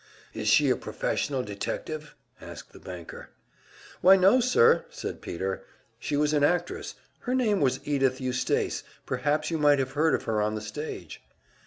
"Is she a professional detective?" asked the banker. "Why no, sir," said Peter. "She was an actress, her name was Edythe Eustace; perhaps you might have heard of her on the stage."